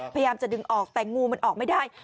พยายามจะดึงออกแต่งูมันออกไม่ได้